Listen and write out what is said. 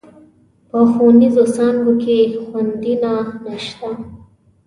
په ښوونيزو څانګو کې خونديينه نشته.